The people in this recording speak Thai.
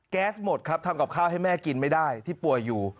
หมดครับทำกับข้าวให้แม่กินไม่ได้ที่ป่วยอยู่